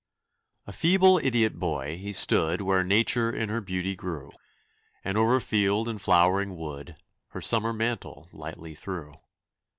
A feeble, idiot boy, he stood Where Nature in her beauty grew, And over field and flowering wood Her summer mantle lightly threw.